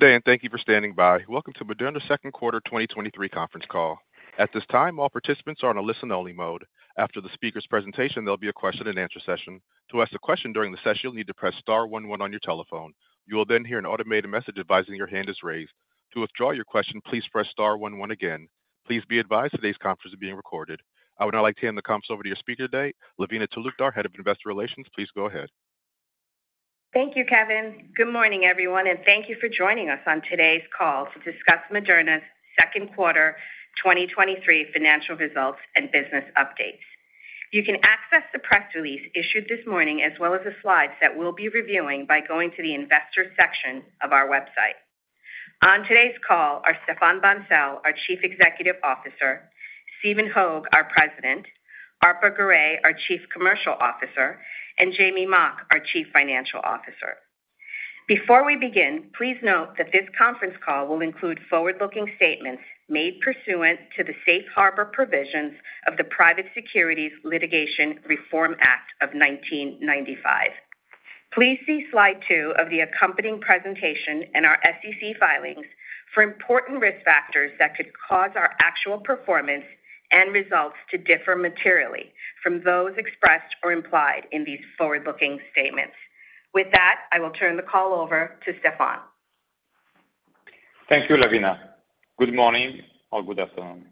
Good day, thank you for standing by. Welcome to Moderna's Second Quarter 2023 conference call. At this time, all participants are on a listen-only mode. After the speaker's presentation, there'll be a question and answer session. To ask a question during the session, you'll need to press star one one on your telephone. You will hear an automated message advising your hand is raised. To withdraw your question, please press star one one again. Please be advised, today's conference is being recorded. I would now like to hand the conference over to your speaker today, Lavina Talukdar, Head of Investor Relations. Please go ahead. Thank you, Kevin. Good morning, everyone, and thank you for joining us on today's call to discuss Moderna's Second Quarter 2023 financial results and business updates. You can access the press release issued this morning, as well as the slides that we'll be reviewing, by going to the investor section of our website. On today's call are Stéphane Bancel, our Chief Executive Officer, Stephen Hoge, our President, Arpa Garay, our Chief Commercial Officer, and Jamey Mock, our Chief Financial Officer. Before we begin, please note that this conference call will include forward-looking statements made pursuant to the Safe Harbor Provisions of the Private Securities Litigation Reform Act of 1995. Please see slide 2 of the accompanying presentation in our SEC filings for important risk factors that could cause our actual performance and results to differ materially from those expressed or implied in these forward-looking statements. With that, I will turn the call over to Stéphane. Thank you, Lavina. Good morning or good afternoon.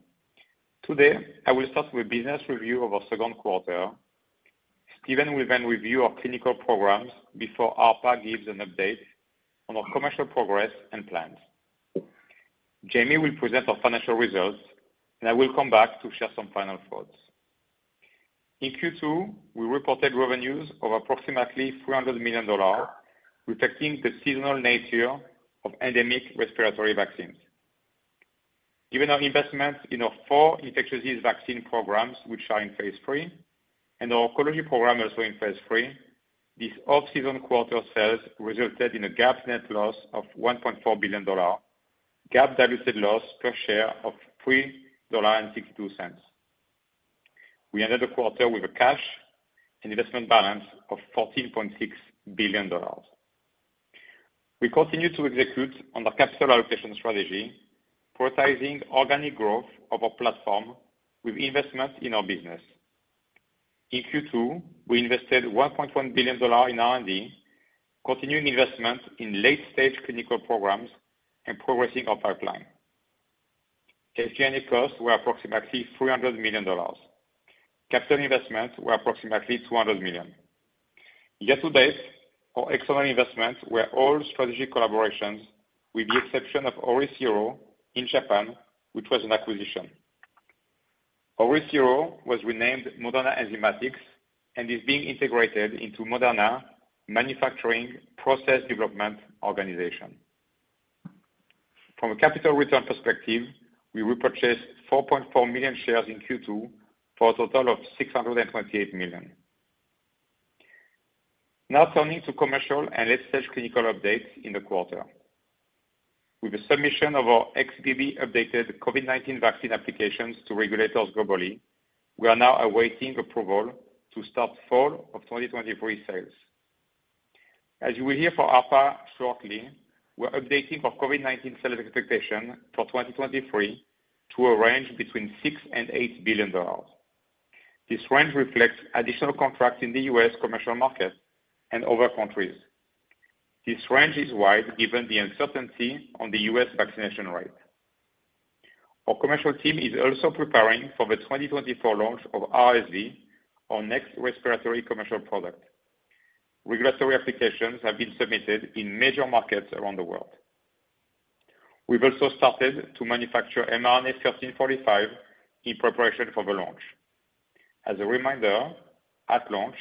Today, I will start with business review of our Second Quarter. Stephen will then review our clinical programs before Arpa gives an update on our commercial progress and plans. Jamey will present our financial results, and I will come back to share some final thoughts. In Q2, we reported revenues of approximately $300 million, reflecting the seasonal nature of endemic respiratory vaccines. Given our investment in our four infectious disease vaccine programs, which are in Phase III, and our oncology program also in Phase III, this off-season quarter sales resulted in a GAAP net loss of $1.4 billion, GAAP diluted loss per share of $3.62. We ended the quarter with a cash and investment balance of $14.6 billion. We continue to execute on the capital allocation strategy, prioritizing organic growth of our platform with investment in our business. In Q2, we invested $1.1 billion in R&D, continuing investment in late-stage clinical programs and progressing our pipeline. SG&A costs were approximately $300 million. Capital investments were approximately $200 million. Year to date, our external investments were all strategic collaborations, with the exception of OriCiro in Japan, which was an acquisition. OriCiro was renamed Moderna Enzymatics and is being integrated into Moderna Manufacturing Process Development organization. From a capital return perspective, we repurchased 4.4 million shares in Q2, for a total of $628 million. Now turning to commercial and late-stage clinical updates in the quarter. With the submission of our XBB updated COVID-19 vaccine applications to regulators globally, we are now awaiting approval to start fall of 2023 sales. As you will hear from Arpa shortly, we're updating our COVID-19 sales expectation for 2023 to a range $6 billion-$8 billion. This range reflects additional contracts in the U.S. commercial market and other countries. This range is wide, given the uncertainty on the U.S. vaccination rate. Our commercial team is also preparing for the 2024 launch of RSV, our next respiratory commercial product. Regulatory applications have been submitted in major markets around the world. We've also started to manufacture mRNA-1345 in preparation for the launch. As a reminder, at launch,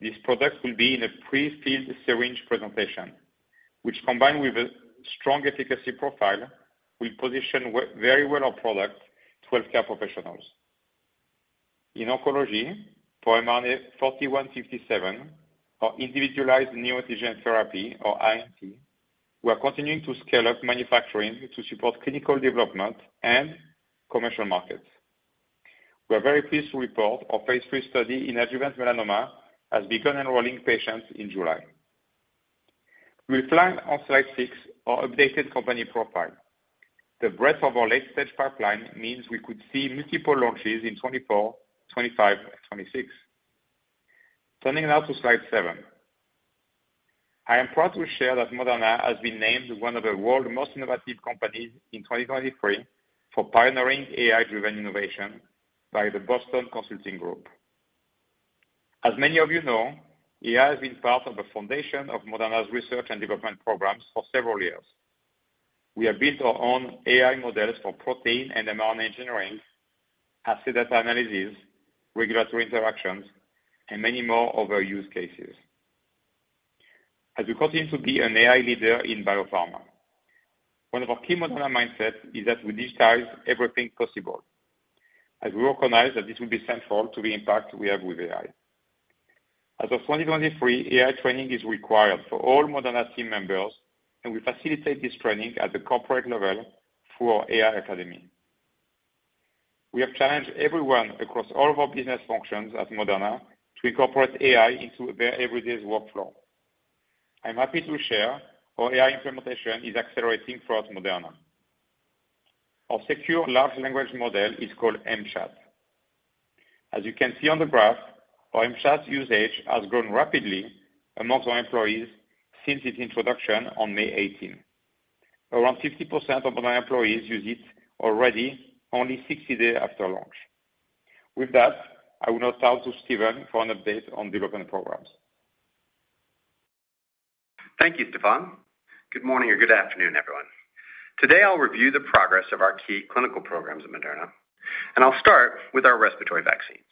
this product will be in a prefilled syringe presentation, which, combined with a strong efficacy profile, will position very well our product to healthcare professionals. In oncology, for mRNA-4157, our individualized neoantigen therapy, or INT, we are continuing to scale up manufacturing to support clinical development and commercial markets. We are very pleased to report our Phase III study in adjuvant melanoma has begun enrolling patients in July. We planned on slide 6 our updated company profile. The breadth of our late-stage pipeline means we could see multiple launches in 2024, 2025, and 2026. Turning now to slide 7. I am proud to share that Moderna has been named one of the world's most innovative companies in 2023 for pioneering AI-driven innovation by the Boston Consulting Group. As many of you know, AI has been part of the foundation of Moderna's research and development programs for several years. We have built our own AI models for protein and mRNA engineering, asset data analysis, regulatory interactions, and many more of our use cases. As we continue to be an AI leader in biopharma, one of our key Moderna mindsets is that we digitize everything possible, as we recognize that this will be central to the impact we have with AI. As of 2023, AI training is required for all Moderna team members, and we facilitate this training at the corporate level through our AI academy.... We have challenged everyone across all of our business functions at Moderna to incorporate AI into their every day's workflow. I'm happy to share our AI implementation is accelerating throughout Moderna. Our secure large language model is called mChat. As you can see on the graph, our mChat's usage has grown rapidly amongst our employees since its introduction on May 18th. Around 50% of my employees use it already, only 60 days after launch. With that, I will now turn to Stephen for an update on development programs. Thank you, Stéphane. Good morning or good afternoon, everyone. Today, I'll review the progress of our key clinical programs at Moderna, and I'll start with our respiratory vaccines.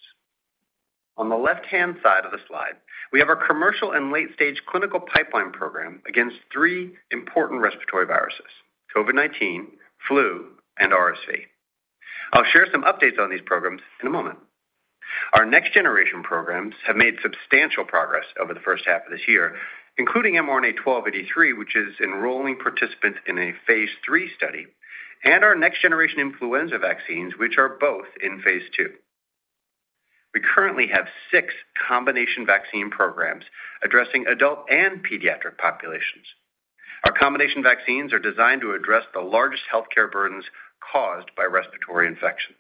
On the left-hand side of the slide, we have our commercial and late-stage clinical pipeline program against three important respiratory viruses, COVID-19, flu, and RSV. I'll share some updates on these programs in a moment. Our next generation programs have made substantial progress over the first half of this year, including mRNA-1283, which is enrolling participants in a Phase III study, and our next generation influenza vaccines, which are both in Phase II. We currently have six combination vaccine programs addressing adult and pediatric populations. Our combination vaccines are designed to address the largest healthcare burdens caused by respiratory infections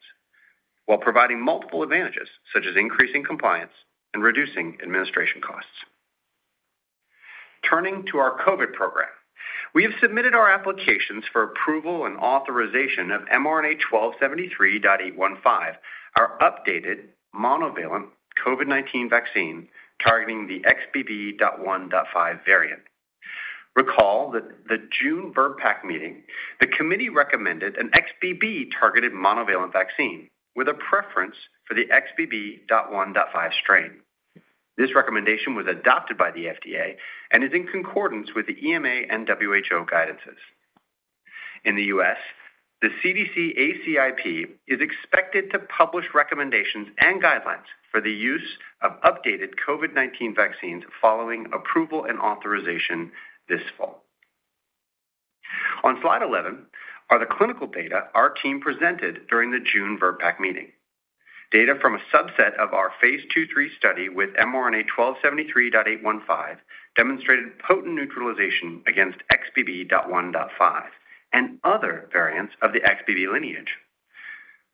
while providing multiple advantages, such as increasing compliance and reducing administration costs. Turning to our COVID program, we have submitted our applications for approval and authorization of mRNA-1273.815, our updated monovalent COVID-19 vaccine, targeting the XBB.1.5 variant. Recall that the June VRBPAC meeting, the committee recommended an XBB-targeted monovalent vaccine with a preference for the XBB.1.5 strain. This recommendation was adopted by the FDA and is in concordance with the EMA and WHO guidances. In the US, the CDC ACIP is expected to publish recommendations and guidelines for the use of updated COVID-19 vaccines following approval and authorization this fall. On slide 11 are the clinical data our team presented during the June VRBPAC meeting. Data from a subset of our Phase II, III study with mRNA-1273.815 demonstrated potent neutralization against XBB.1.5 and other variants of the XBB lineage.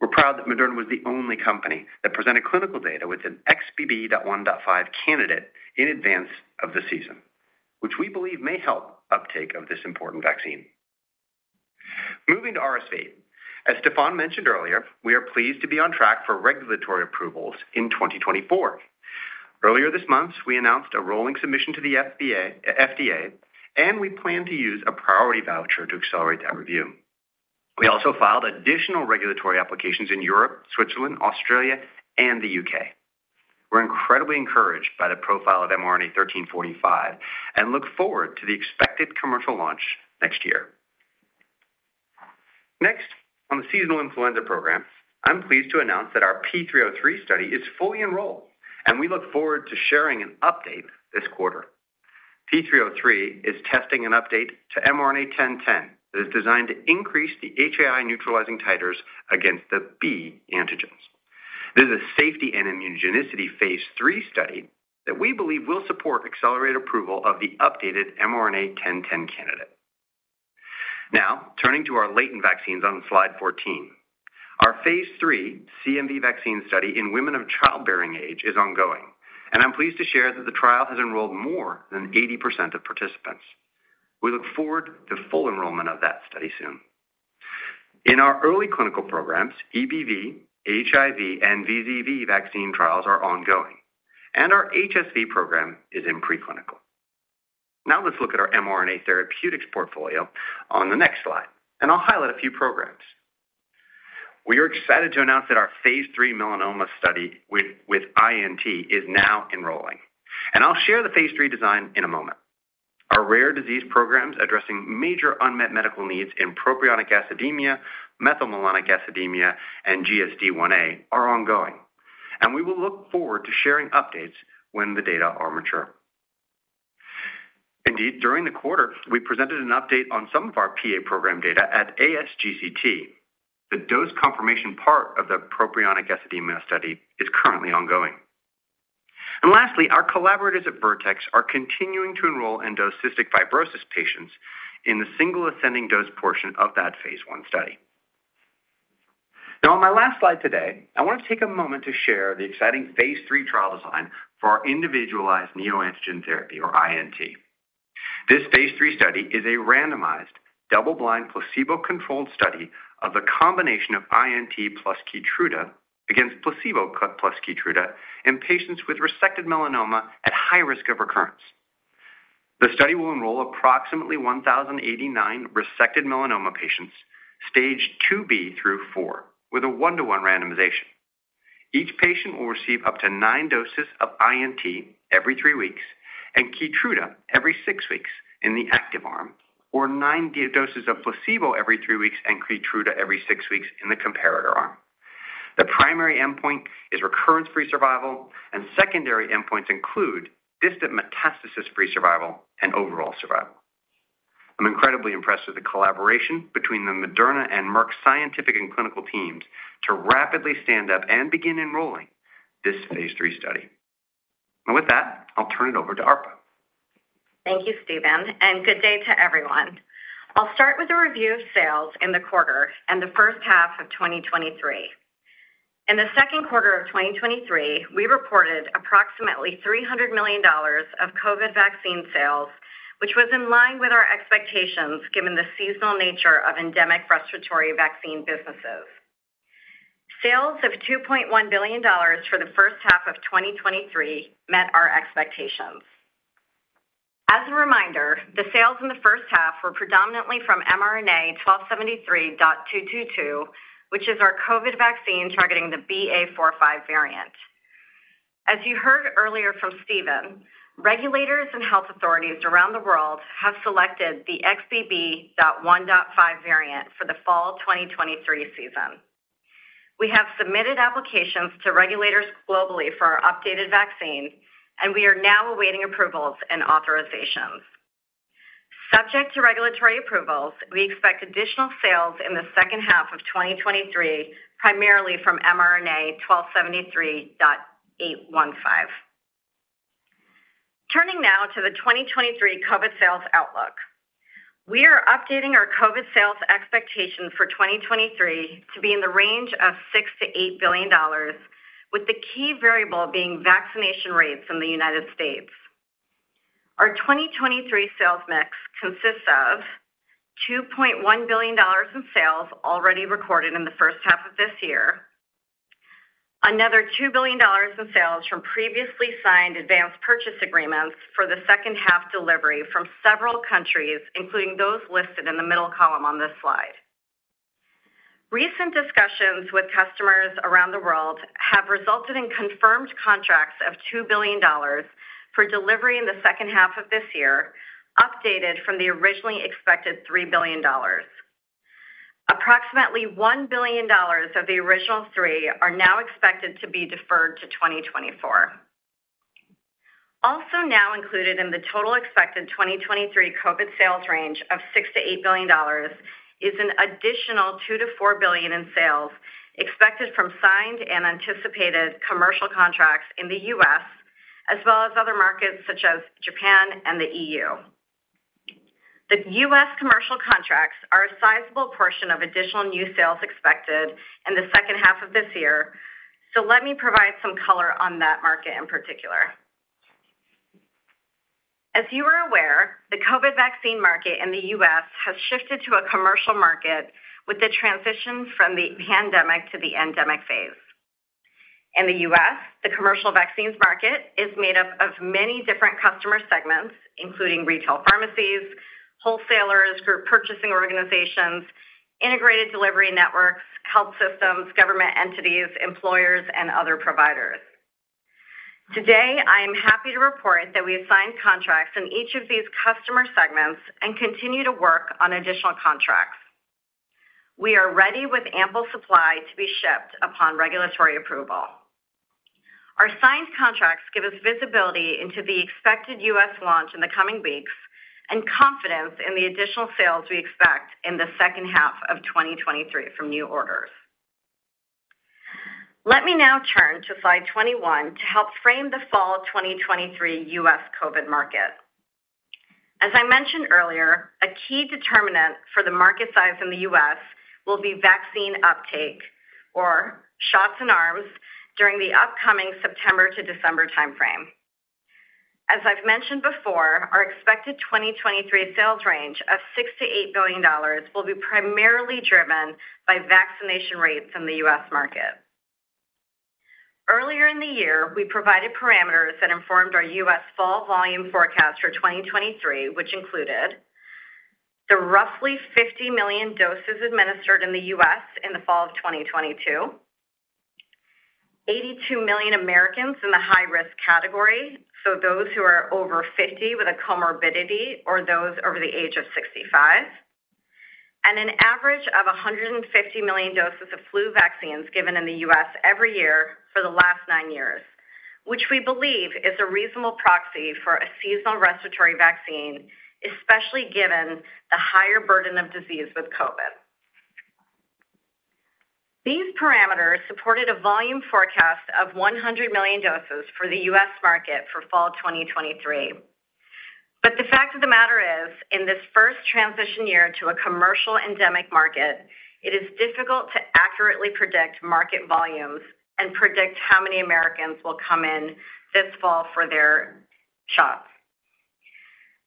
We're proud that Moderna was the only company that presented clinical data with an XBB.1.5 candidate in advance of the season, which we believe may help uptake of this important vaccine. Moving to RSV. As Stéphane mentioned earlier, we are pleased to be on track for regulatory approvals in 2024. Earlier this month, we announced a rolling submission to the FDA, and we plan to use a priority voucher to accelerate that review. We also filed additional regulatory applications in Europe, Switzerland, Australia, and the U.K. We're incredibly encouraged by the profile of mRNA-1345 and look forward to the expected commercial launch next year. On the seasonal influenza program, I'm pleased to announce that our P303 study is fully enrolled, and we look forward to sharing an update this quarter. P303 is testing an update to mRNA-1010 that is designed to increase the HAI neutralizing titers against the B antigens. This is a safety and immunogenicity Phase III study that we believe will support accelerated approval of the updated mRNA-1010 candidate. Turning to our latent vaccines on slide 14. Our Phase III CMV vaccine study in women of childbearing age is ongoing, and I'm pleased to share that the trial has enrolled more than 80% of participants. We look forward to full enrollment of that study soon. In our early clinical programs, EBV, HIV, and VZV vaccine trials are ongoing, and our HSV program is in preclinical. Let's look at our mRNA therapeutics portfolio on the next slide, and I'll highlight a few programs. We are excited to announce that our Phase III melanoma study with INT is now enrolling, and I'll share the Phase III design in a moment. Our rare disease programs, addressing major unmet medical needs in propionic acidemia, methylmalonic acidemia, and GSD1A, are ongoing, and we will look forward to sharing updates when the data are mature. Indeed, during the quarter, we presented an update on some of our PA program data at ASGCT. The dose confirmation part of the propionic acidemia study is currently ongoing. Lastly, our collaborators at Vertex are continuing to enroll and dose cystic fibrosis patients in the single ascending dose portion of that Phase I study. Now, on my last slide today, I want to take a moment to share the exciting Phase III trial design for our individualized neoantigen therapy, or INT. This Phase III study is a randomized, double-blind, placebo-controlled study of the combination of INT plus Keytruda against placebo plus Keytruda in patients with resected melanoma at high risk of recurrence. The study will enroll approximately 1,089 resected melanoma patients, Stage IIB through IV, with a 1-to-1 randomization. Each patient will receive up to 9 doses of INT every 3 weeks and Keytruda every 6 weeks in the active arm, or 9 doses of placebo every 3 weeks and Keytruda every 6 weeks in the comparator arm. The primary endpoint is recurrence-free survival, and secondary endpoints include distant metastasis-free survival and overall survival. I'm incredibly impressed with the collaboration between the Moderna and Merck scientific and clinical teams to rapidly stand up and begin enrolling this Phase III study. With that, I'll turn it over to Arpa. Thank you, Stephen, and good day to everyone. I'll start with a review of sales in the quarter and the first half of 2023. In the Second Quarter of 2023, we reported approximately $300 million of COVID vaccine sales, which was in line with our expectations, given the seasonal nature of endemic respiratory vaccine businesses. Sales of $2.1 billion for the first half of 2023 met our expectations. As a reminder, the sales in the first half were predominantly from mRNA-1273.222, which is our COVID vaccine targeting the BA.4/5 variant. As you heard earlier from Stephen, regulators and health authorities around the world have selected the XBB.1.5 variant for the fall of 2023 season. We have submitted applications to regulators globally for our updated vaccine, and we are now awaiting approvals and authorizations. Subject to regulatory approvals, we expect additional sales in the second half of 2023, primarily from mRNA-1273.815. Turning now to the 2023 COVID sales outlook. We are updating our COVID sales expectation for 2023 to be in the range of $6 billion-$8 billion, with the key variable being vaccination rates in the United States. Our 2023 sales mix consists of $2.1 billion in sales already recorded in the first half of this year. Another $2 billion in sales from previously signed advanced purchase agreements for the second half delivery from several countries, including those listed in the middle column on this slide. Recent discussions with customers around the world have resulted in confirmed contracts of $2 billion for delivery in the second half of this year, updated from the originally expected $3 billion. Approximately $1 billion of the original $3 billion are now expected to be deferred to 2024. Now included in the total expected 2023 COVID sales range of $6 billion-$8 billion is an additional $2 billion-$4 billion in sales expected from signed and anticipated commercial contracts in the US, as well as other markets such as Japan and the EU. The US commercial contracts are a sizable portion of additional new sales expected in the second half of this year, let me provide some color on that market in particular. As you are aware, the COVID vaccine market in the US has shifted to a commercial market with the transition from the pandemic to the endemic Phase. In the U.S., the commercial vaccines market is made up of many different customer segments, including retail pharmacies, wholesalers, group purchasing organizations, integrated delivery networks, health systems, government entities, employers, and other providers. Today, I am happy to report that we have signed contracts in each of these customer segments and continue to work on additional contracts. We are ready with ample supply to be shipped upon regulatory approval. Our signed contracts give us visibility into the expected U.S. launch in the coming weeks and confidence in the additional sales we expect in the second half of 2023 from new orders. Let me now turn to slide 21 to help frame the fall of 2023 U.S. COVID-19 market. As I mentioned earlier, a key determinant for the market size in the U.S. will be vaccine uptake or shots in arms during the upcoming September to December timeframe. As I've mentioned before, our expected 2023 sales range of $6 billion-$8 billion will be primarily driven by vaccination rates in the U.S. market. Earlier in the year, we provided parameters that informed our U.S. fall volume forecast for 2023, which included the roughly 50 million doses administered in the U.S. in the fall of 2022, 82 million Americans in the high-risk category, so those who are over 50 with a comorbidity or those over the age of 65, and an average of 150 million doses of flu vaccines given in the U.S. every year for the last 9 years, which we believe is a reasonable proxy for a seasonal respiratory vaccine, especially given the higher burden of disease with COVID. These parameters supported a volume forecast of 100 million doses for the U.S. market for fall 2023. The fact of the matter is, in this first transition year to a commercial endemic market, it is difficult to accurately predict market volumes and predict how many Americans will come in this fall for their shots.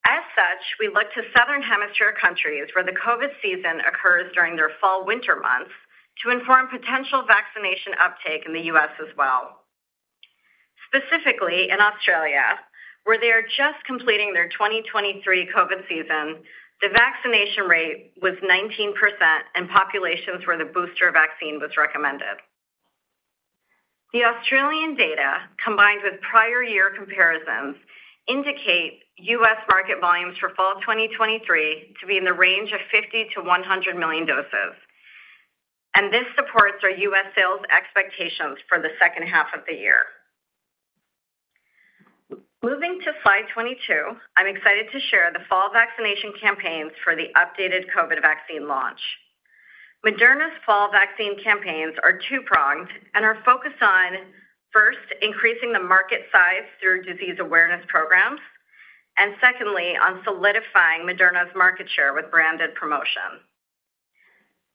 As such, we look to Southern Hemisphere countries where the COVID season occurs during their fall/winter months, to inform potential vaccination uptake in the US as well. Specifically, in Australia, where they are just completing their 2023 COVID season, the vaccination rate was 19% in populations where the booster vaccine was recommended. The Australian data, combined with prior year comparisons, indicate US market volumes for fall 2023 to be in the range of 50 million-100 million doses, and this supports our US sales expectations for the second half of the year. Moving to Slide 22, I'm excited to share the fall vaccination campaigns for the updated COVID vaccine launch. Moderna's fall vaccine campaigns are two-pronged and are focused on, first, increasing the market size through disease awareness programs, and secondly, on solidifying Moderna's market share with branded promotion.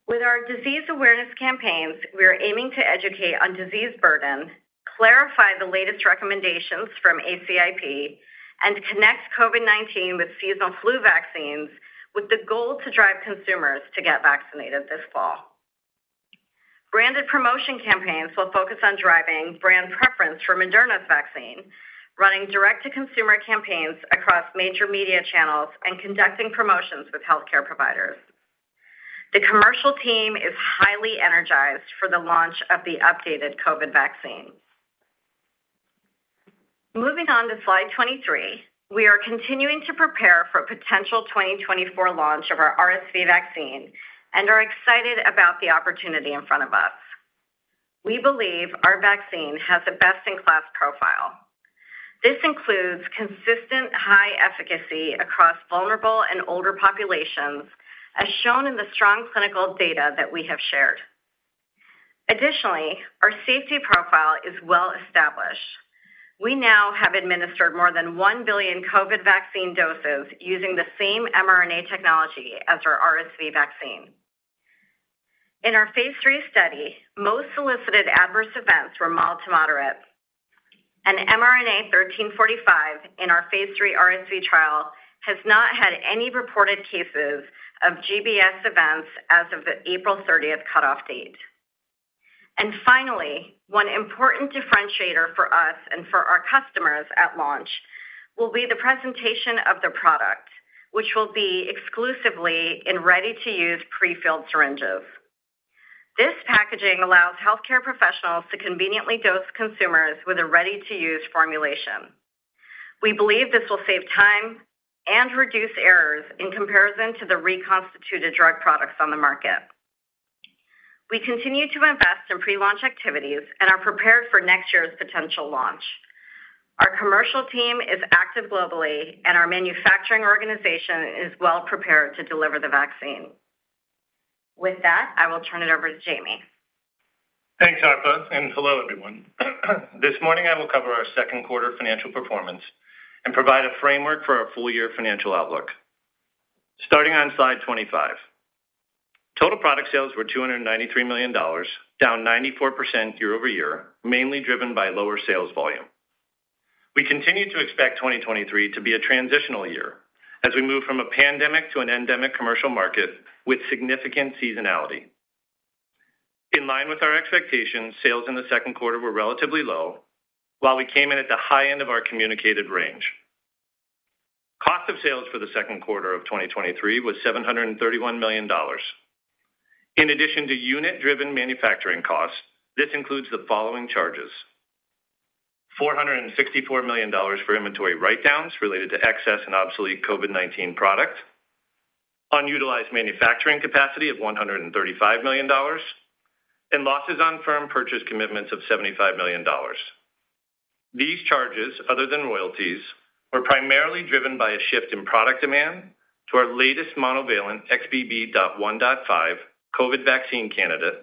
With our disease awareness campaigns, we are aiming to educate on disease burden, clarify the latest recommendations from ACIP, and connect COVID-19 with seasonal flu vaccines, with the goal to drive consumers to get vaccinated this fall. Branded promotion campaigns will focus on driving brand preference for Moderna's vaccine, running direct-to-consumer campaigns across major media channels and conducting promotions with healthcare providers. The commercial team is highly energized for the launch of the updated COVID vaccines. Moving on to Slide 23, we are continuing to prepare for a potential 2024 launch of our RSV vaccine and are excited about the opportunity in front of us. We believe our vaccine has a best-in-class profile. This includes consistent high efficacy across vulnerable and older populations, as shown in the strong clinical data that we have shared. Additionally, our safety profile is well established. We now have administered more than 1 billion COVID vaccine doses using the same mRNA technology as our RSV vaccine. In our Phase III study, most solicited adverse events were mild to moderate, and mRNA-1345 in our Phase III RSV trial has not had any reported cases of GBS events as of the April 30th cutoff date. Finally, one important differentiator for us and for our customers at launch will be the presentation of the product, which will be exclusively in ready-to-use pre-filled syringes. This packaging allows healthcare professionals to conveniently dose consumers with a ready-to-use formulation. We believe this will save time and reduce errors in comparison to the reconstituted drug products on the market. We continue to invest in pre-launch activities and are prepared for next year's potential launch. Our commercial team is active globally, and our manufacturing organization is well-prepared to deliver the vaccine. With that, I will turn it over to Jamey. Thanks, Arpa. Hello, everyone. This morning, I will cover our Second Quarter financial performance and provide a framework for our full-year financial outlook. Starting on Slide 25. Total product sales were $293 million, down 94% year-over-year, mainly driven by lower sales volume. We continue to expect 2023 to be a transitional year as we move from a pandemic to an endemic commercial market with significant seasonality. In line with our expectations, sales in the Second Quarter were relatively low, while we came in at the high end of our communicated range. Cost of sales for the Second Quarter of 2023 was $731 million. In addition to unit-driven manufacturing costs, this includes the following charges: $464 million for inventory write-downs related to excess and obsolete COVID-19 product, unutilized manufacturing capacity of $135 million, and losses on firm purchase commitments of $75 million. These charges, other than royalties, were primarily driven by a shift in product demand to our latest monovalent XBB.1.5 COVID vaccine candidate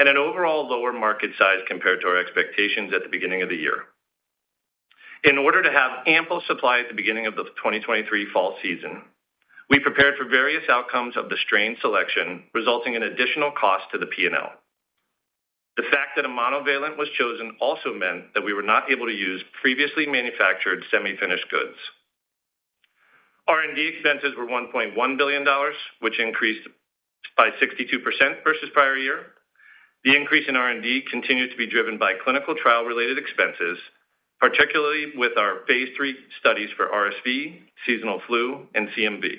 and an overall lower market size compared to our expectations at the beginning of the year. In order to have ample supply at the beginning of the 2023 fall season, we prepared for various outcomes of the strain selection, resulting in additional cost to the P&L. The fact that a monovalent was chosen also meant that we were not able to use previously manufactured semi-finished goods. R&D expenses were $1.1 billion, which increased by 62% versus prior year. The increase in R&D continued to be driven by clinical trial-related expenses, particularly with our Phase III studies for RSV, seasonal flu, and CMV.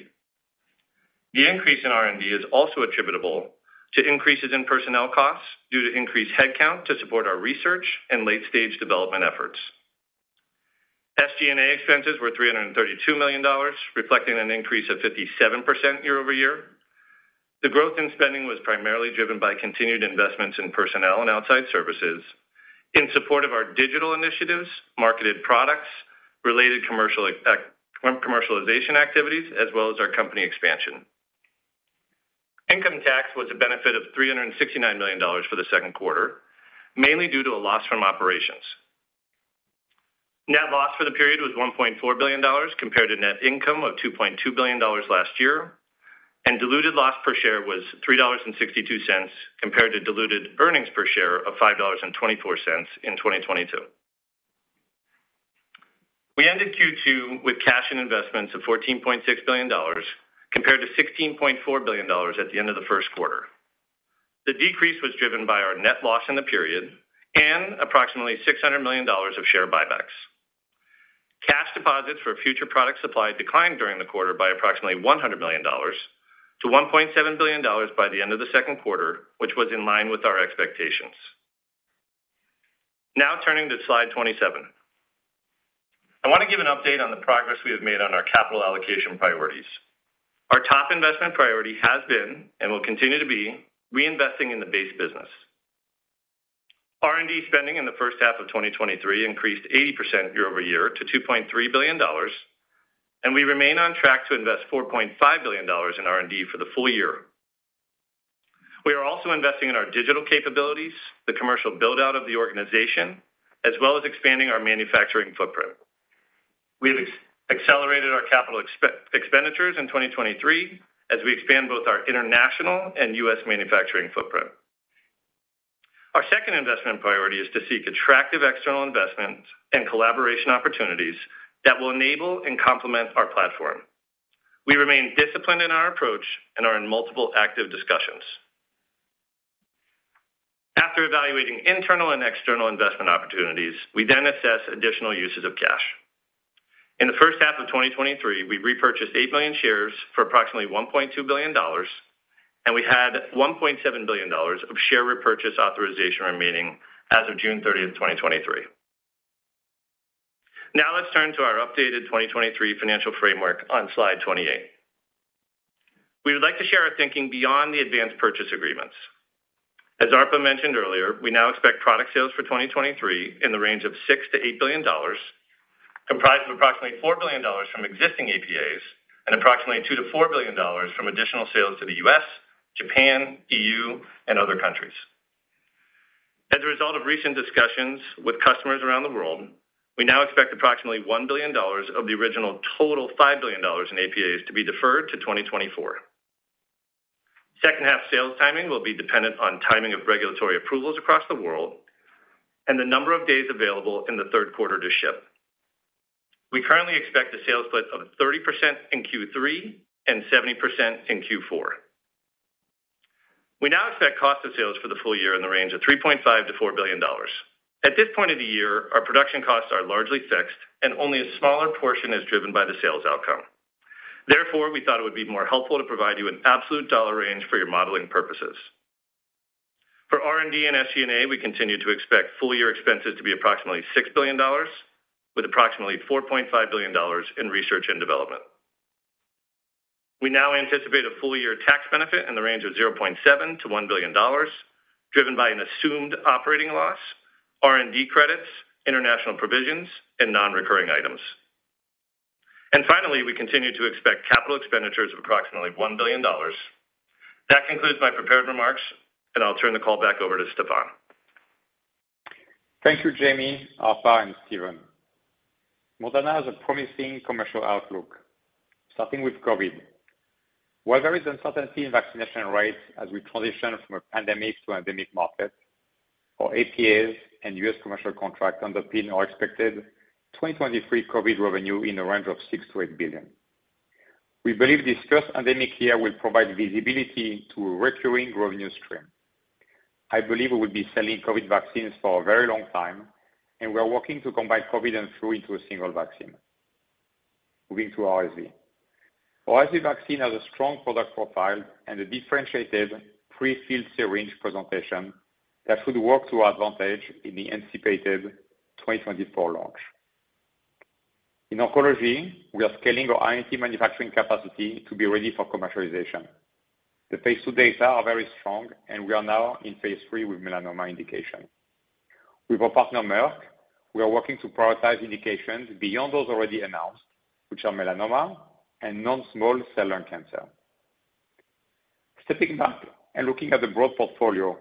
The increase in R&D is also attributable to increases in personnel costs due to increased headcount to support our research and late-stage development efforts. SG&A expenses were $332 million, reflecting an increase of 57% year-over-year. The growth in spending was primarily driven by continued investments in personnel and outside services in support of our digital initiatives, marketed products, related commercial, commercialization activities, as well as our company expansion. Income tax was a benefit of $369 million for the Second Quarter, mainly due to a loss from operations. Net loss for the period was $1.4 billion, compared to net income of $2.2 billion last year, diluted loss per share was $3.62, compared to diluted earnings per share of $5.24 in 2022. We ended Q2 with cash and investments of $14.6 billion, compared to $16.4 billion at the end of the First Quarter. The decrease was driven by our net loss in the period and approximately $600 million of share buybacks. Cash deposits for future product supply declined during the quarter by approximately $100 million to $1.7 billion by the end of the Second Quarter, which was in line with our expectations. Now turning to Slide 27. I want to give an update on the progress we have made on our capital allocation priorities. Our top investment priority has been, and will continue to be, reinvesting in the base business.... R&D spending in the first half of 2023 increased 80% year-over-year to $2.3 billion, and we remain on track to invest $4.5 billion in R&D for the full year. We are also investing in our digital capabilities, the commercial build-out of the organization, as well as expanding our manufacturing footprint. We've accelerated our capital expenditures in 2023 as we expand both our international and US manufacturing footprint. Our second investment priority is to seek attractive external investments and collaboration opportunities that will enable and complement our platform. We remain disciplined in our approach and are in multiple active discussions. After evaluating internal and external investment opportunities, we then assess additional uses of cash. In the first half of 2023, we repurchased 8 million shares for approximately $1.2 billion. We had $1.7 billion of share repurchase authorization remaining as of June 30, 2023. Now, let's turn to our updated 2023 financial framework on slide 28. We would like to share our thinking beyond the advanced purchase agreements. As Arpa mentioned earlier, we now expect product sales for 2023 in the range of $6 billion-$8 billion, comprised of approximately $4 billion from existing APAs and approximately $2 billion-$4 billion from additional sales to the U.S., Japan, EU, and other countries. As a result of recent discussions with customers around the world, we now expect approximately $1 billion of the original total $5 billion in APAs to be deferred to 2024. Second half sales timing will be dependent on timing of regulatory approvals across the world and the number of days available in the Third Quarter to ship. We currently expect a sales split of 30% in Q3 and 70% in Q4. We now expect cost of sales for the full year in the range of $3.5 billion-$4 billion. At this point of the year, our production costs are largely fixed, and only a smaller portion is driven by the sales outcome. Therefore, we thought it would be more helpful to provide you an absolute dollar range for your modeling purposes. For R&D and SG&A, we continue to expect full year expenses to be approximately $6 billion, with approximately $4.5 billion in research and development. We now anticipate a full year tax benefit in the range of $0.7 billion-$1 billion, driven by an assumed operating loss, R&D credits, international provisions, and non-recurring items. Finally, we continue to expect capital expenditures of approximately $1 billion. That concludes my prepared remarks, and I'll turn the call back over to Stéphane. Thank you, Jamey, Arpa, and Stephen. Moderna has a promising commercial outlook, starting with COVID. While there is uncertainty in vaccination rates as we transition from a pandemic to endemic market, our APAs and U.S. commercial contracts underpin our expected 2023 COVID revenue in the range of $6 billion-$8 billion. We believe this first endemic year will provide visibility to a recurring revenue stream. I believe we will be selling COVID vaccines for a very long time, and we are working to combine COVID and flu into a single vaccine. Moving to RSV. RSV vaccine has a strong product profile and a differentiated pre-filled syringe presentation that should work to our advantage in the anticipated 2024 launch. In oncology, we are scaling our INT manufacturing capacity to be ready for commercialization. The Phase II data are very strong, and we are now in Phase III with melanoma indication. With our partner, Merck, we are working to prioritize indications beyond those already announced, which are melanoma and non-small cell lung cancer. Stepping back and looking at the broad portfolio,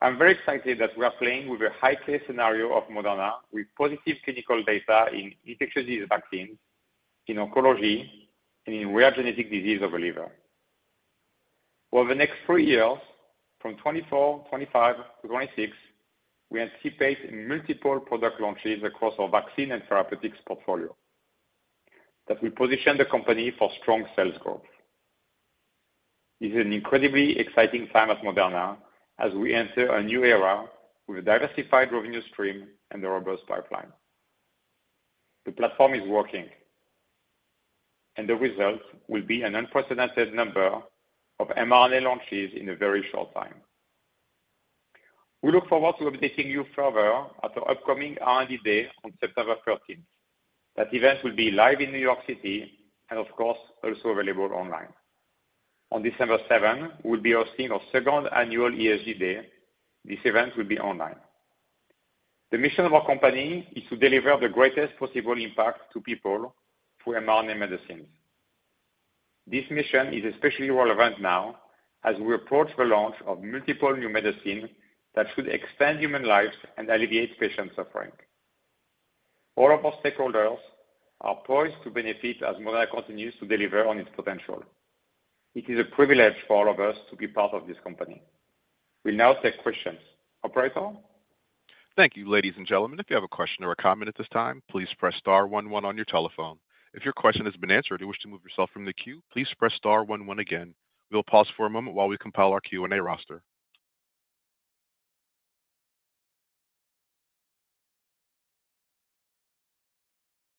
I'm very excited that we are playing with a high-case scenario of Moderna with positive clinical data in infectious disease vaccines, in oncology, and in rare genetic disease of the liver. Over the next three years, from 2024, 2025 to 2026, we anticipate multiple product launches across our vaccine and therapeutics portfolio that will position the company for strong sales growth. This is an incredibly exciting time at Moderna as we enter a new era with a diversified revenue stream and a robust pipeline. The platform is working, and the results will be an unprecedented number of mRNA launches in a very short time. We look forward to updating you further at our upcoming R&D Day on September thirteenth. That event will be live in New York City and, of course, also available online. On December seventh, we'll be hosting our second annual ESG Day. This event will be online. The mission of our company is to deliver the greatest possible impact to people through mRNA medicines. This mission is especially relevant now as we approach the launch of multiple new medicines that should expand human lives and alleviate patient suffering. All of our stakeholders are poised to benefit as Moderna continues to deliver on its potential. It is a privilege for all of us to be part of this company. We'll now take questions. Operator? Thank you, ladies and gentlemen. If you have a question or a comment at this time, please press star one one on your telephone. If your question has been answered, or you wish to move yourself from the queue, please press star one one again. We'll pause for a moment while we compile our Q&A roster.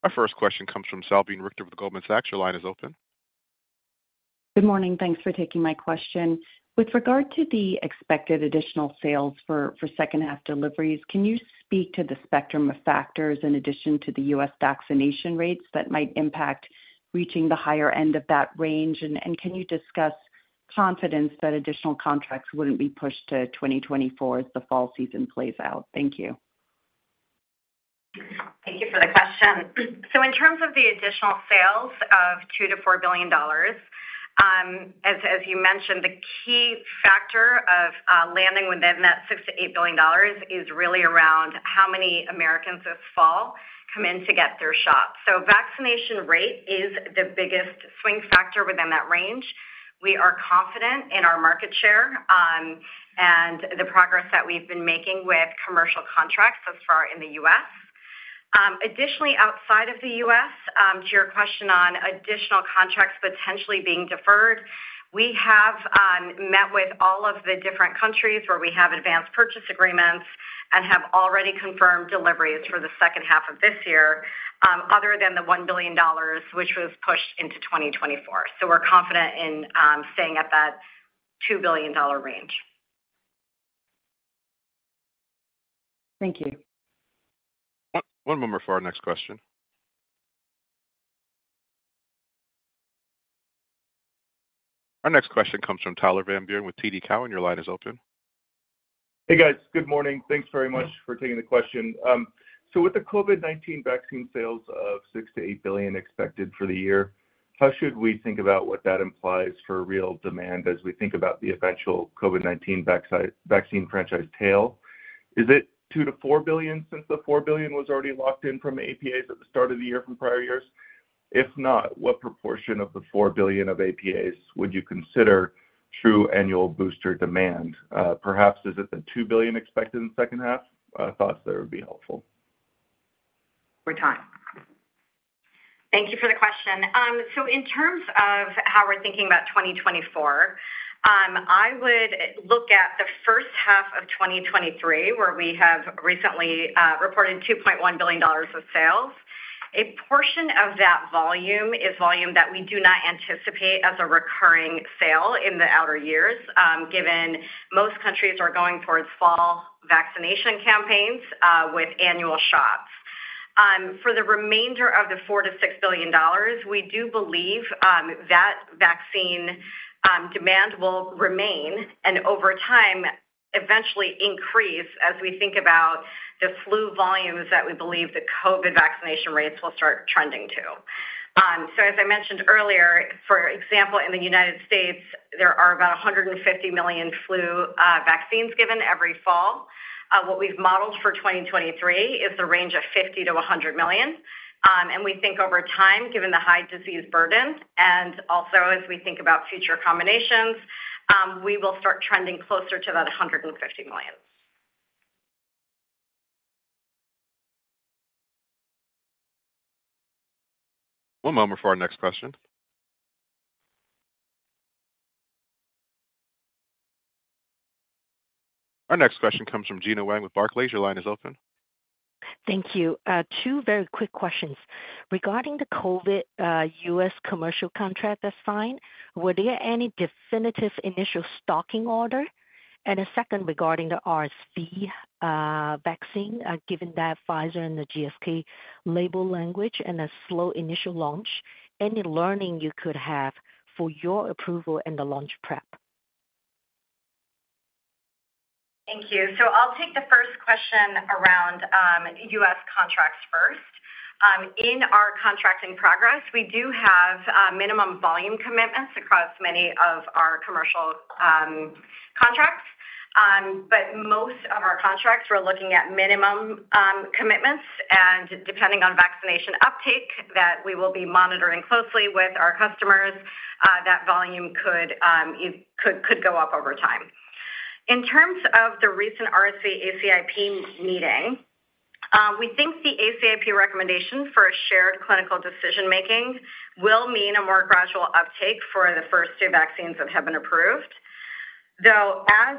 Our first question comes from Salveen Richter with Goldman Sachs. Your line is open. Good morning. Thanks for taking my question. With regard to the expected additional sales for second half deliveries, can you speak to the spectrum of factors in addition to the U.S. vaccination rates that might impact reaching the higher end of that range? Can you discuss confidence that additional contracts wouldn't be pushed to 2024 as the fall season plays out? Thank you. Thank you for the question. In terms of the additional sales of $2 billion-$4 billion, as you mentioned, the key factor of landing within that $6 billion-$8 billion is really around how many Americans this fall come in to get their shots. Vaccination rate is the biggest swing factor within that range. We are confident in our market share and the progress that we've been making with commercial contracts thus far in the US. Additionally, outside of the US, to your question on additional contracts potentially being deferred, we have met with all of the different countries where we have advanced purchase agreements and have already confirmed deliveries for the second half of this year, other than the $1 billion, which was pushed into 2024. We're confident in staying at that $2 billion range. Thank you. One moment for our next question. Our next question comes from Tyler Van Buren with TD Cowen. Your line is open. Hey, guys. Good morning. Thanks very much for taking the question. With the COVID-19 vaccine sales of $6 billion-$8 billion expected for the year, how should we think about what that implies for real demand as we think about the eventual COVID-19 vacci- vaccine franchise tail? Is it $2 billion-$4 billion, since the $4 billion was already locked in from APAs at the start of the year from prior years? If not, what proportion of the $4 billion of APAs would you consider true annual booster demand? Perhaps is it the $2 billion expected in the second half? Thoughts there would be helpful. Thank you for the question. In terms of how we're thinking about 2024, I would look at the first half of 2023, where we have recently reported $2.1 billion of sales. A portion of that volume is volume that we do not anticipate as a recurring sale in the outer years, given most countries are going towards fall vaccination campaigns with annual shots. For the remainder of the $4 billion-$6 billion, we do believe that vaccine demand will remain, and over time, eventually increase as we think about the flu volumes that we believe the COVID vaccination rates will start trending to. As I mentioned earlier, for example, in the United States, there are about 150 million flu vaccines given every fall. What we've modeled for 2023 is the range of $50 million-$100 million. We think over time, given the high disease burden, and also as we think about future combinations, we will start trending closer to that $150 million. One moment for our next question. Our next question comes from Gena Wang with Barclays. Your line is open. Thank you. Two very quick questions. Regarding the COVID, US commercial contract that's signed, were there any definitive initial stocking order? A second regarding the RSV, vaccine, given that Pfizer and the GSK label language and a slow initial launch, any learning you could have for your approval and the launch prep? Thank you. I'll take the first question around U.S. contracts first. In our contracting progress, we do have minimum volume commitments across many of our commercial contracts. But most of our contracts, we're looking at minimum commitments, and depending on vaccination uptake, that we will be monitoring closely with our customers, that volume could, could, could go up over time. In terms of the recent RSV ACIP meeting, we think the ACIP recommendation for a shared clinical decision-making will mean a more gradual uptake for the first two vaccines that have been approved. Though, as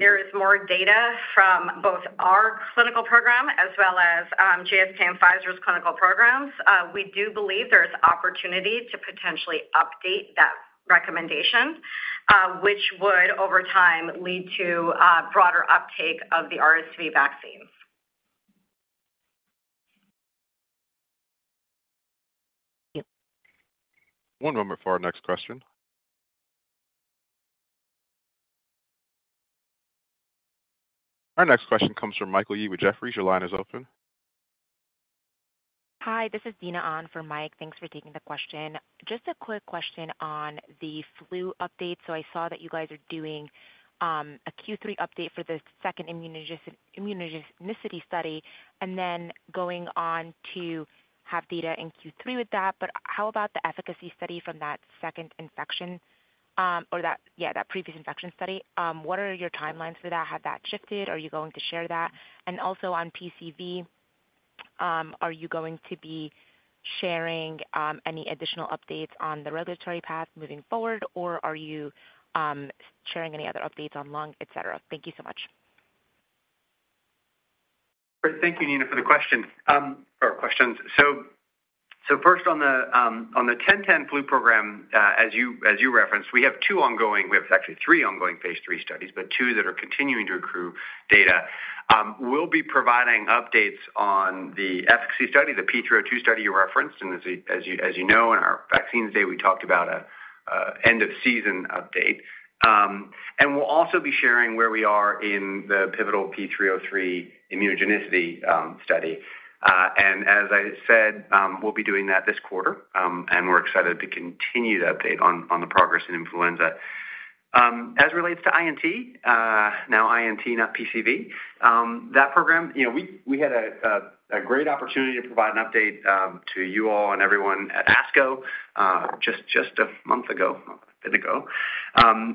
there is more data from both our clinical program as well as GSK and Pfizer's clinical programs, we do believe there is opportunity to potentially update that recommendation, which would, over time, lead to broader uptake of the RSV vaccines. One moment for our next question. Our next question comes from Michael Yee with Jefferies. Your line is open. Hi, this is Nina on for Mike. Thanks for taking the question. Just a quick question on the flu update. I saw that you guys are doing a Q3 update for the second immunogenicity study, and then going on to have data in Q3 with that. How about the efficacy study from that second infection, or that, yeah, that previous infection study? What are your timelines for that? Has that shifted? Are you going to share that? Also on PCV, are you going to be sharing any additional updates on the regulatory path moving forward, or are you sharing any other updates on lung, et cetera? Thank you so much. Thank you, Nina, for the question or questions. First on the 1010 flu program, as you, as you referenced, we have two ongoing We have actually three ongoing Phase III studies, but two that are continuing to accrue data. We'll be providing updates on the efficacy study, the P302 study you referenced. As you, as you know, in our Vaccines Day, we talked about end of season update. We'll also be sharing where we are in the pivotal P303 immunogenicity study. As I said, we'll be doing that this quarter, and we're excited to continue to update on, on the progress in influenza. As it relates to INT, now INT, not PCV, that program, you know, we, we had a great opportunity to provide an update to you all and everyone at ASCO, just a month ago, a bit ago.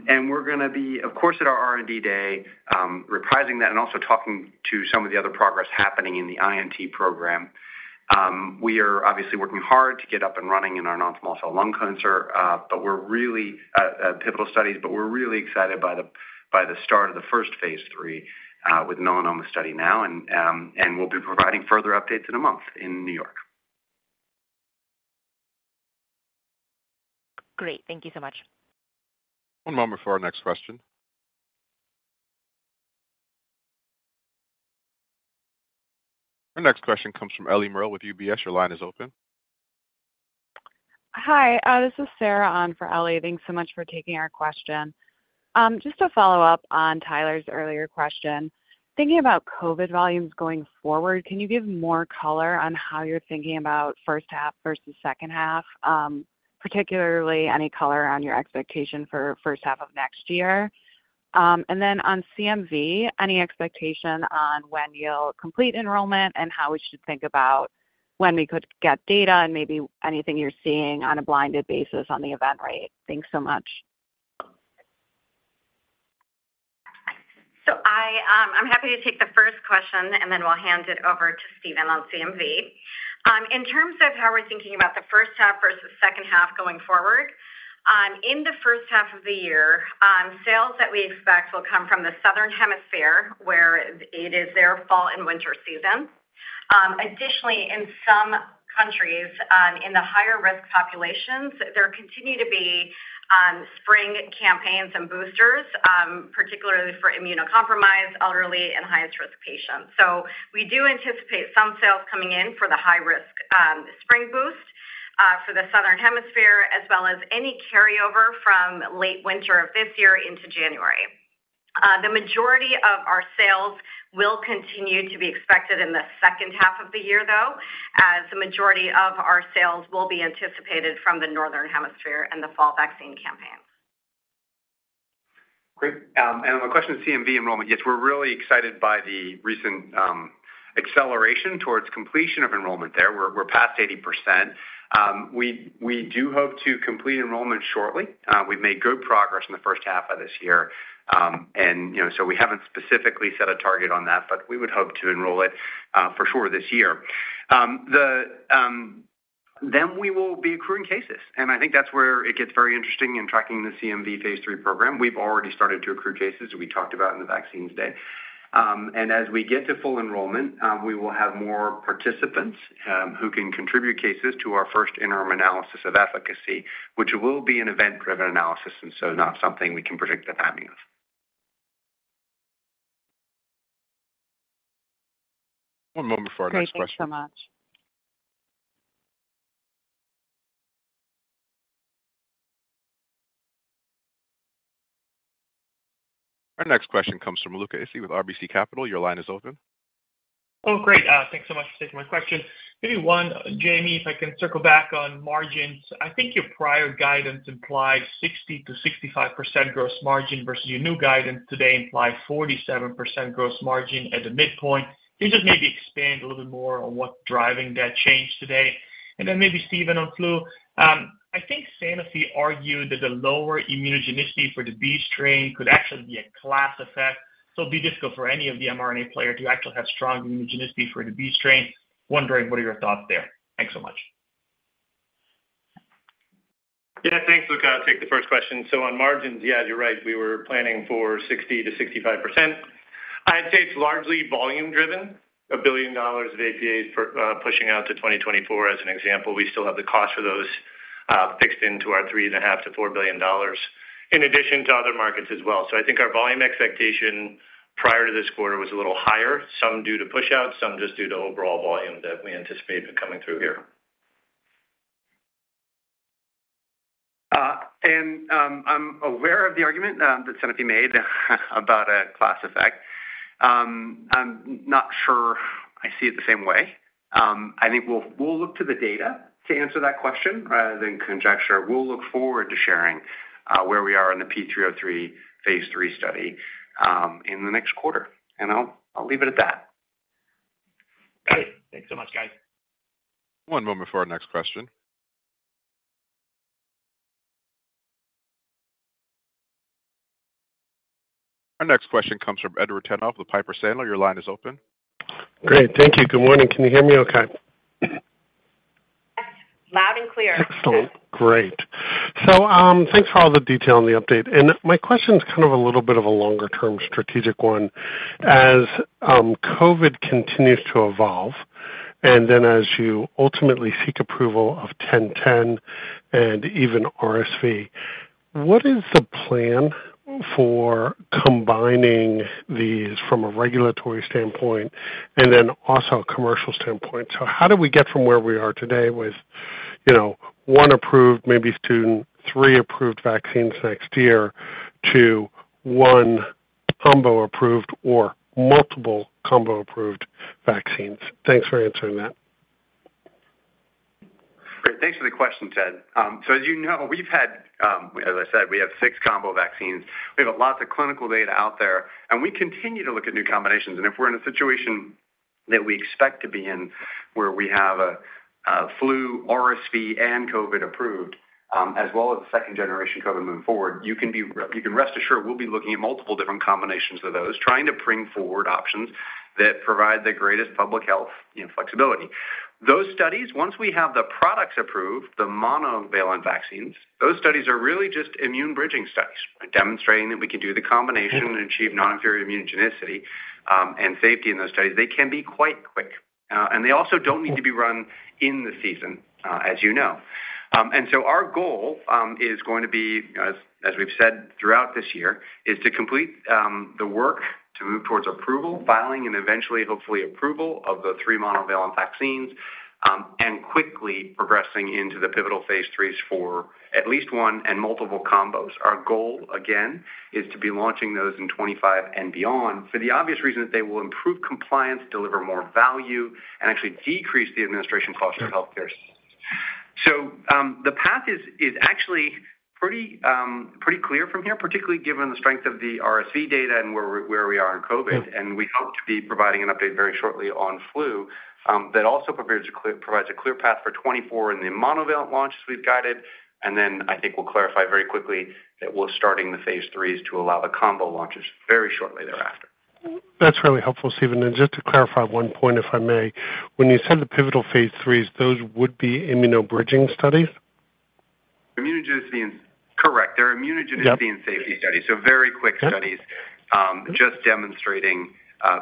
We're gonna be, of course, at our R&D Day, reprising that and also talking to some of the other progress happening in the INT program. We are obviously working hard to get up and running in our non-small cell lung cancer, but we're really pivotal studies, but we're really excited by the, by the start of the first Phase III with melanoma study now, and we'll be providing further updates in a month in New York. Great. Thank you so much. One moment for our next question. Our next question comes from Eliana Merle with UBS. Your line is open. Hi, this is Sarah on for Ellie. Thanks so much for taking our question. Just to follow up on Tyler's earlier question, thinking about COVID volumes going forward, can you give more color on how you're thinking about first half versus second half? Particularly, any color on your expectation for first half of next year? Then on CMV, any expectation on when you'll complete enrollment and how we should think about when we could get data and maybe anything you're seeing on a blinded basis on the event rate? Thanks so much. I, I'm happy to take the first question, and then we'll hand it over to Stephen on CMV. In terms of how we're thinking about the first half versus second half going forward, in the first half of the year, sales that we expect will come from the Southern Hemisphere, where it is their fall and winter season. Additionally, in some countries, in the higher risk populations, there continue to be spring campaigns and boosters, particularly for immunocompromised, elderly, and highest risk patients. We do anticipate some sales coming in for the high risk, spring boost, for the Southern Hemisphere, as well as any carryover from late winter of this year into January. The majority of our sales will continue to be expected in the second half of the year, though, as the majority of our sales will be anticipated from the Northern Hemisphere and the fall vaccine campaign. Great. On the question of CMV enrollment, yes, we're really excited by the recent acceleration towards completion of enrollment there. We're, we're past 80%. We, we do hope to complete enrollment shortly. We've made good progress in the first half of this year. You know, so we haven't specifically set a target on that, but we would hope to enroll it for sure this year. The, then we will be accruing cases, and I think that's where it gets very interesting in tracking the CMV Phase III program. We've already started to accrue cases we talked about in the Vaccines Day. As we get to full enrollment, we will have more participants, who can contribute cases to our first interim analysis of efficacy, which will be an event-driven analysis, and so not something we can predict the timing of. One moment before our next question. Great. Thanks so much. Our next question comes from Luca Issi with RBC Capital. Your line is open. Great. Thanks so much for taking my question. Maybe one, Jamey, if I can circle back on margins. I think your prior guidance implies 60%-65% gross margin versus your new guidance today, implies 47% gross margin at the midpoint. Can you just maybe expand a little bit more on what's driving that change today? Then maybe Stephen, on flu. I think Sanofi argued that the lower immunogenicity for the B strain could actually be a class effect, so it'd be difficult for any of the mRNA player to actually have strong immunogenicity for the B strain. Wondering, what are your thoughts there? Thanks so much. Yeah, thanks, Luca. I'll take the first question. On margins, yeah, you're right, we were planning for 60%-65%. I'd say it's largely volume driven, $1 billion of APAs for pushing out to 2024, as an example. We still have the cost for those fixed into our $3.5 billion-$4 billion, in addition to other markets as well. I think our volume expectation prior to this quarter was a little higher, some due to pushout, some just due to overall volume that we anticipate coming through here. I'm aware of the argument that Sanofi made about a class effect. I'm not sure I see it the same way. I think we'll, we'll look to the data to answer that question rather than conjecture. We'll look forward to sharing, where we are in the P303, Phase III study, in the next quarter, and I'll, I'll leave it at that. Great. Thanks so much, guys. One moment for our next question. Our next question comes from Edward Tenthoff with Piper Sandler. Your line is open. Great. Thank you. Good morning. Can you hear me okay? Loud and clear. Excellent. Great. Thanks for all the detail on the update. My question is kind of a little bit of a longer-term strategic one. As COVID continues to evolve, and then as you ultimately seek approval of mRNA-1010 and even RSV-... What is the plan for combining these from a regulatory standpoint and then also a commercial standpoint? How do we get from where we are today with, you know, 1 approved, maybe 2, 3 approved vaccines next year to 1 combo approved or multiple combo approved vaccines? Thanks for answering that. Great, thanks for the question, Ted. As you know, we've had, as I said, we have six combo vaccines. We have lots of clinical data out there, and we continue to look at new combinations. If we're in a situation that we expect to be in, where we have a, a flu, RSV, and COVID approved, as well as a second-generation COVID moving forward, you can be, you can rest assured we'll be looking at multiple different combinations of those, trying to bring forward options that provide the greatest public health and flexibility. Those studies, once we have the products approved, the monovalent vaccines, those studies are really just immune bridging studies, demonstrating that we can do the combination and achieve non-inferior immunogenicity, and safety in those studies. They can be quite quick, and they also don't need to be run in the season, as you know. Our goal is going to be, as, as we've said throughout this year, is to complete the work to move towards approval, filing, and eventually, hopefully, approval of the three monovalent vaccines, and quickly progressing into the pivotal Phase IIIs for at least one and multiple combos. Our goal, again, is to be launching those in 25 and beyond for the obvious reason that they will improve compliance, deliver more value, and actually decrease the administration cost of healthcare. The path is, is actually pretty, pretty clear from here, particularly given the strength of the RSV data and where we, where we are in COVID. We hope to be providing an update very shortly on flu, that also provides a clear path for 2024 in the monovalent launch as we've guided. I think we'll clarify very quickly that we're starting the Phase III to allow the combo launches very shortly thereafter. That's really helpful, Stephen. Just to clarify one point, if I may. When you said the pivotal Phase IIIs, those would be immunobridging studies? Immunogenicity, correct. They're immunogenicity safety studies. Very quick studies, just demonstrating,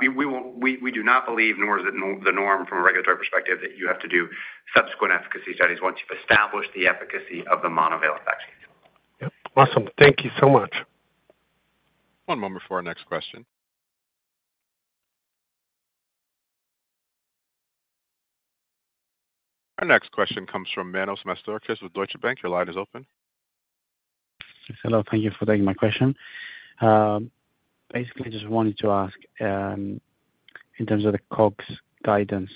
we, we, we do not believe, nor is it the norm from a regulatory perspective, that you have to do subsequent efficacy studies once you've established the efficacy of the monovalent vaccines. Yep. Awesome. Thank you so much. One moment for our next question. Our next question comes from Manos Moutsouris with Deutsche Bank. Your line is open. Hello, thank you for taking my question. Basically, just wanted to ask, in terms of the COGS guidance,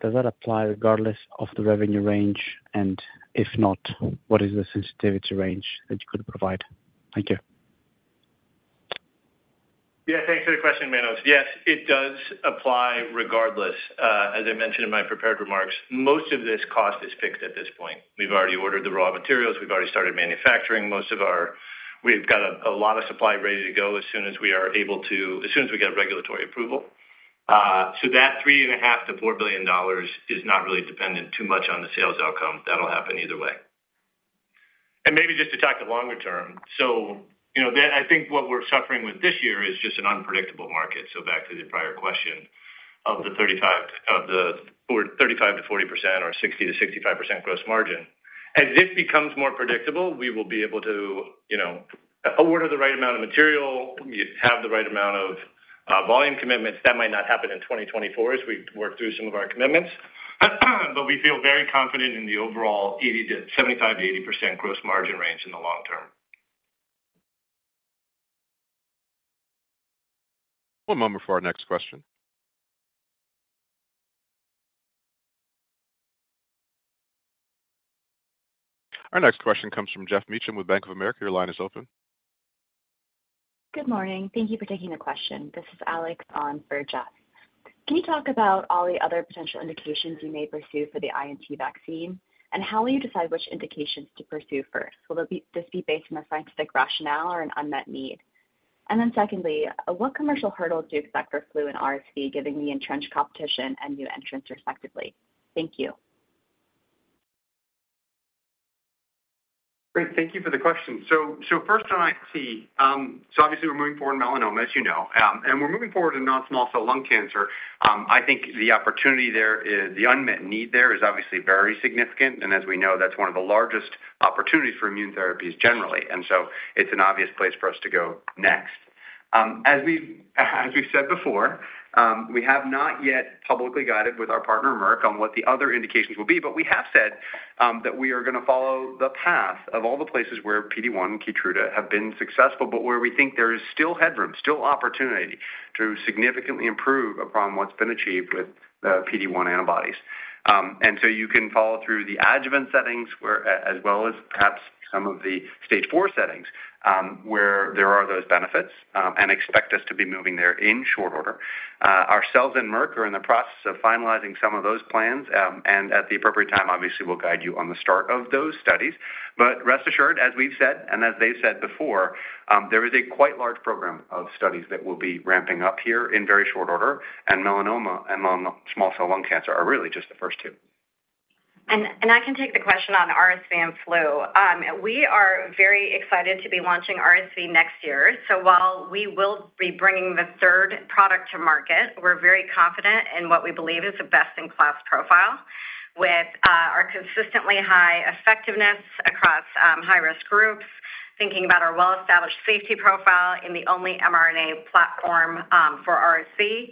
does that apply regardless of the revenue range? If not, what is the sensitivity range that you could provide? Thank you. Yeah, thanks for the question, Manos. Yes, it does apply regardless. As I mentioned in my prepared remarks, most of this cost is fixed at this point. We've already ordered the raw materials. We've already started manufacturing. We've got a, a lot of supply ready to go as soon as we get regulatory approval. So that $3.5 billion-$4 billion is not really dependent too much on the sales outcome. That'll happen either way. Maybe just to talk the longer term. You know, that I think what we're suffering with this year is just an unpredictable market. Back to the prior question, of the 35%, of the 35%-40% or 60%-65% gross margin. As this becomes more predictable, we will be able to, you know, order the right amount of material, have the right amount of volume commitments. That might not happen in 2024 as we work through some of our commitments, but we feel very confident in the overall 75%-80% gross margin range in the long term. One moment for our next question. Our next question comes from Jeff Meacham with Bank of America. Your line is open. Good morning. Thank you for taking the question. This is Alex on for Jeff. Can you talk about all the other potential indications you may pursue for the INT vaccine? How will you decide which indications to pursue first? Will this be based on a scientific rationale or an unmet need? Then secondly, what commercial hurdles do you expect for flu and RSV, giving the entrenched competition and new entrants, respectively? Thank you. Great, thank you for the question. First on IT, obviously, we're moving forward in melanoma, as you know, and we're moving forward in non-small cell lung cancer. I think the opportunity there is, the unmet need there is obviously very significant, and as we know, that's one of the largest opportunities for immune therapies generally. It's an obvious place for us to go next. As we've, as we've said before, we have not yet publicly guided with our partner, Merck, on what the other indications will be, but we have said, that we are going to follow the path of all the places where PD-1 and Keytruda have been successful, but where we think there is still headroom, still opportunity to significantly improve upon what's been achieved with the PD-1 antibodies. So you can follow through the adjuvant settings, where, as well as perhaps some of the Stage four settings, where there are those benefits, and expect us to be moving there in short order. Ourselves and Merck are in the process of finalizing some of those plans, at the appropriate time, obviously, we'll guide you on the start of those studies. Rest assured, as we've said, and as they've said before, there is a quite large program of studies that will be ramping up here in very short order, and melanoma and non-small cell lung cancer are really just the first two. I can take the question on RSV and flu. We are very excited to be launching RSV next year. While we will be bringing the third product to market, we're very confident in what we believe is the best-in-class profile with our consistently high effectiveness across high-risk groups, thinking about our well-established safety profile in the only mRNA platform for RSV.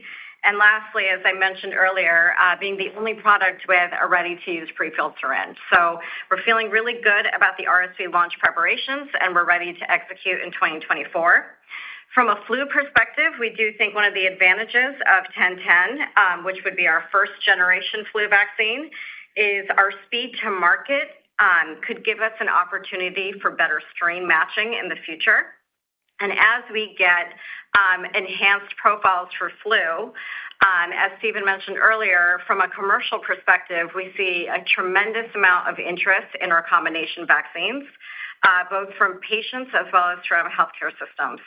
Lastly, as I mentioned earlier, being the only product with a ready-to-use pre-filled syringe. We're feeling really good about the RSV launch preparations, and we're ready to execute in 2024. From a flu perspective, we do think one of the advantages of mRNA-1010, which would be our first-generation flu vaccine, is our speed to market, could give us an opportunity for better strain matching in the future. As we get enhanced profiles for flu, as Stephen mentioned earlier, from a commercial perspective, we see a tremendous amount of interest in our combination vaccines, both from patients as well as from healthcare systems.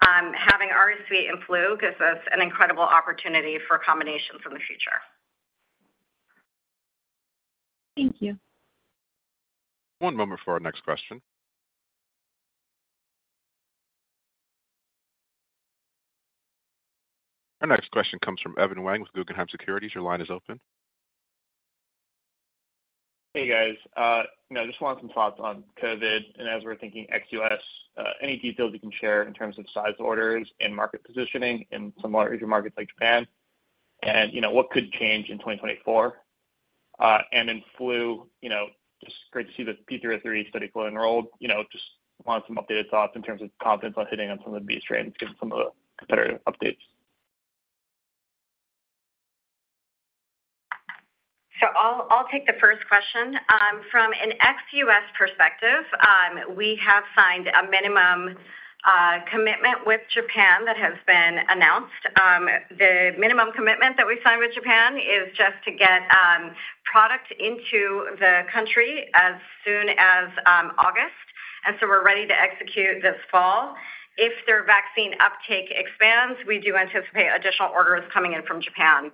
Having RSV and flu gives us an incredible opportunity for combinations in the future. Thank you. One moment for our next question. Our next question comes from Evan Wang with Guggenheim Securities. Your line is open. Hey, guys. You know, I just want some thoughts on COVID, and as we're thinking ex-US, any details you can share in terms of size orders and market positioning in some larger markets like Japan? You know, what could change in 2024? In flu, you know, just great to see the P303 study fully enrolled. You know, just want some updated thoughts in terms of confidence on hitting on some of the B strains, given some of the competitive updates. I'll, I'll take the first question. From an ex-U.S. perspective, we have signed a minimum commitment with Japan that has been announced. The minimum commitment that we've signed with Japan is just to get product into the country as soon as August, and so we're ready to execute this fall. If their vaccine uptake expands, we do anticipate additional orders coming in from Japan.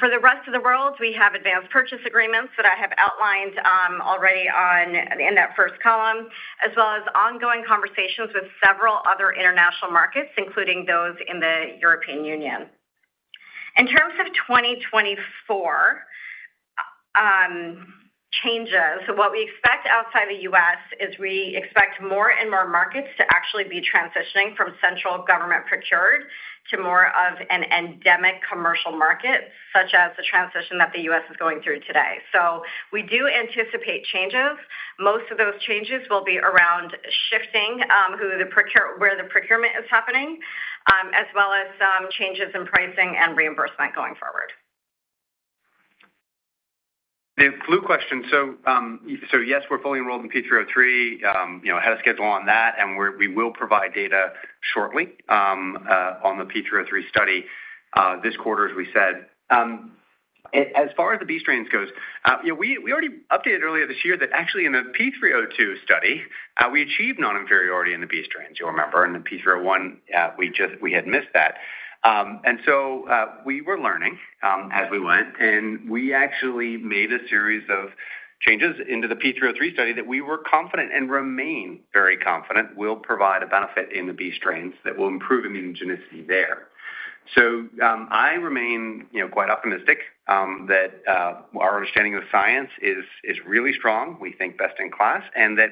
For the rest of the world, we have Advance Purchase Agreements that I have outlined already on, in that first column, as well as ongoing conversations with several other international markets, including those in the European Union. In terms of 2024 changes, what we expect outside the U.S. is we expect more and more markets to actually be transitioning from central government-procured to more of an endemic commercial market, such as the transition that the U.S. is going through today. We do anticipate changes. Most of those changes will be around shifting where the procurement is happening, as well as changes in pricing and reimbursement going forward. The flu question. Yes, we're fully enrolled in P303. You know, ahead of schedule on that, and we will provide data shortly on the P303 study this quarter, as we said. As far as the B strains goes, you know, we already updated earlier this year that actually in the P302 study, we achieved non-inferiority in the B strains, you'll remember. In the P301, we just had missed that. We were learning as we went, and we actually made a series of changes into the P303 study that we were confident and remain very confident will provide a benefit in the B strains that will improve immunogenicity there. I remain, you know, quite optimistic that our understanding of science is, is really strong, we think best-in-class, and that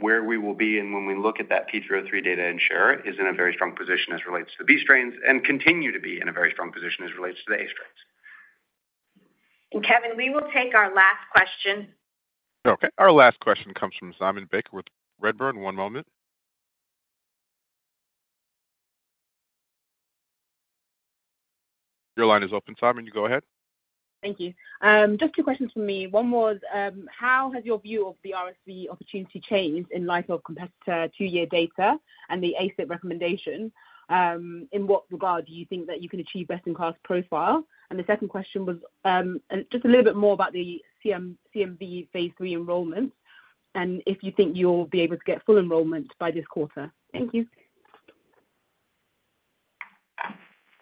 where we will be and when we look at that P303 data and share it, is in a very strong position as it relates to the B strains and continue to be in a very strong position as it relates to the A strains. Kevin, we will take our last question. Our last question comes from Simon Baker with Redburn. One moment. Your line is open, Simon. You go ahead. Thank you. Just two questions from me. One was: How has your view of the RSV opportunity changed in light of competitor two-year data and the ACIP recommendation? In what regard do you think that you can achieve best-in-class profile? The second question was, and just a little bit more about the CMV Phase III enrollments, and if you think you'll be able to get full enrollment by this quarter. Thank you.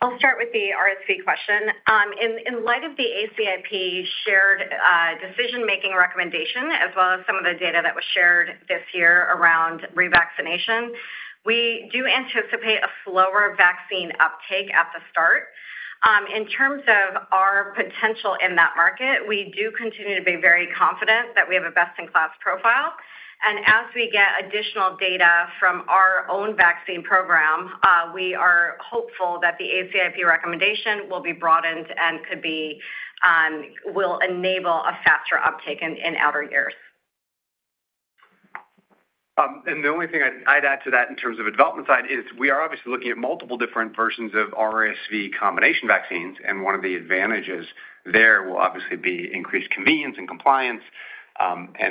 I'll start with the RSV question. In, in light of the ACIP shared decision-making recommendation, as well as some of the data that was shared this year around revaccination, we do anticipate a slower vaccine uptake at the start. In terms of our potential in that market, we do continue to be very confident that we have a best-in-class profile. As we get additional data from our own vaccine program, we are hopeful that the ACIP recommendation will be broadened and could be, will enable a faster uptake in, in outer years. The only thing I'd, I'd add to that in terms of the development side is we are obviously looking at multiple different versions of RSV combination vaccines, and one of the advantages there will obviously be increased convenience and compliance.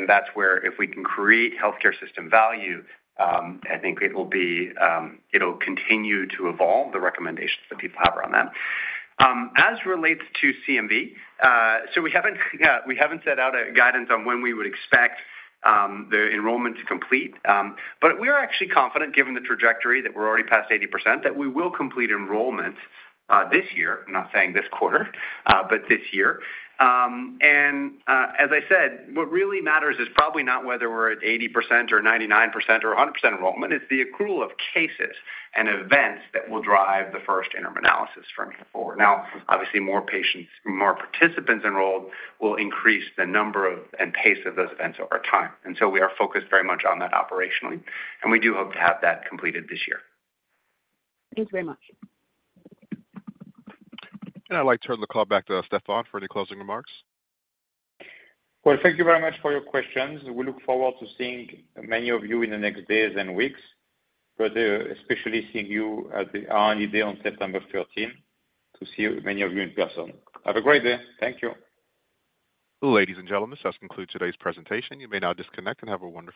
That's where if we can create healthcare system value, I think it'll be, it'll continue to evolve the recommendations that people have around them. As relates to CMV, we haven't, we haven't set out a guidance on when we would expect the enrollment to complete. We are actually confident, given the trajectory, that we're already past 80%, that we will complete enrollment this year. I'm not saying this quarter, but this year. As I said, what really matters is probably not whether we're at 80% or 99% or 100% enrollment. It's the accrual of cases and events that will drive the first interim analysis for me forward. Now, obviously, more patients, more participants enrolled will increase the number of and pace of those events over time. So we are focused very much on that operationally, and we do hope to have that completed this year. Thanks very much. I'd like to turn the call back to Stéphane for any closing remarks. Well, thank you very much for your questions. We look forward to seeing many of you in the next days and weeks, but especially seeing you at the R&D Day on September thirteenth, to see many of you in person. Have a great day. Thank you. Ladies and gentlemen, this does conclude today's presentation. You may now disconnect and have a wonderful day.